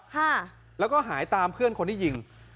ค่ะแล้วก็หายตามเพื่อนคนที่ยิง